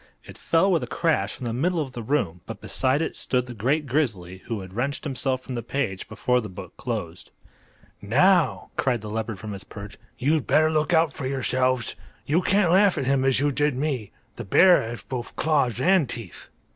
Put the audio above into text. It fell with a crash in the middle of the room, but beside it stood the great grizzly, who had wrenched himself from the page before the book closed. "Now," cried the leopard from his perch, "you'd better look out for yourselves! You can't laugh at him as you did at me. The bear has both claws and teeth."